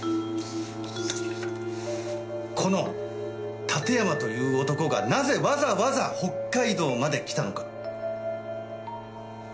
この館山という男がなぜわざわざ北海道まで来たのか。